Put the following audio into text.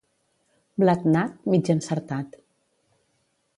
Blat nat, mig encertat.